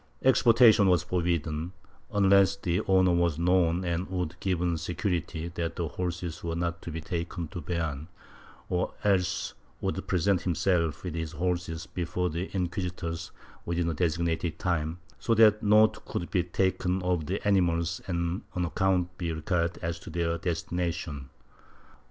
Exportation was forbidden, unless the owner was known and would give security that the horses were not to be taken to Beam, or else would present himself with his horses before the inquisi tors within a designated time, so that note could be taken of the animals and an account be required as to their destination.